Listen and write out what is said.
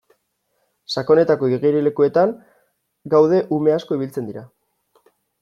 Sakonetako igerilekuetan gaude ume asko ibiltzen dira.